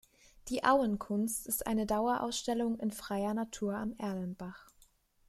Die Auen-Kunst ist eine Dauerausstellung in freier Natur am Erlenbach.